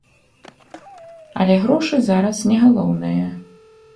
Але грошы зараз не галоўнае.